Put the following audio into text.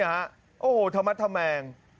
โอ้โหถมัดถมแมง